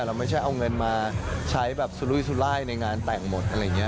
เราไม่ใช่เอาเงินมาใช้แบบสุรุยสุรายในงานแต่งหมดอะไรอย่างนี้